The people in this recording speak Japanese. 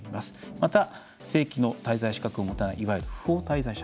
また、正規の滞在資格を持たないいわゆる不法滞在者。